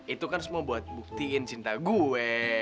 itu kan semua buat buktiin cinta gue